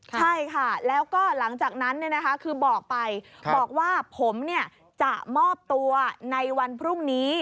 ใช่ค่ะแล้วก็หลังจากนั้นคือบอกไปบอกว่าผมจะมอบตัวในวันพรุ่งนี้